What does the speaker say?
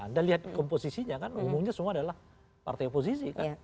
anda lihat komposisinya kan umumnya semua adalah partai oposisi kan